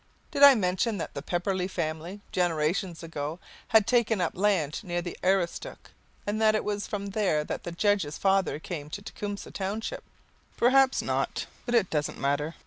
Did I mention that the Pepperleigh family, generations ago, had taken up land near the Aroostook, and that it was from there the judge's father came to Tecumseh township? Perhaps not, but it doesn't matter.